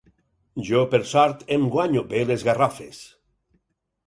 Jo, per sort, em guanyo bé les garrofes.